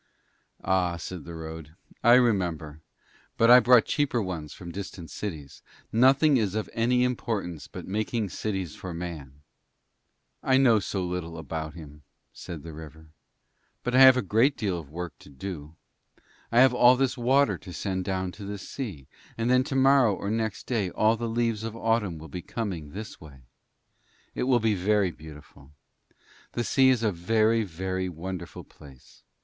'Ah,' said the road, 'I remember, but I brought cheaper ones from distant cities. Nothing is of any importance but making cities for Man.' 'I know so little about him,' said the river, 'but I have a great deal of work to do I have all this water to send down to the sea; and then tomorrow or next day all the leaves of Autumn will be coming this way. It will be very beautiful. The sea is a very, very wonderful place.